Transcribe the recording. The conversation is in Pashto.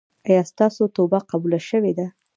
ایا ستاسو توبه قبوله شوې ده؟